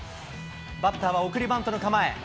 バッターは送りバントの構え。